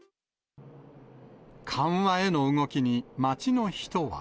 緩和への動きに、街の人は。